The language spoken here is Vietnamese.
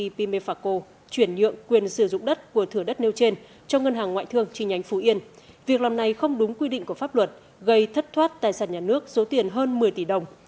công ty pimefaco chuyển nhượng quyền sử dụng đất của thửa đất nêu trên cho ngân hàng ngoại thương chi nhánh phú yên việc làm này không đúng quy định của pháp luật gây thất thoát tài sản nhà nước số tiền hơn một mươi tỷ đồng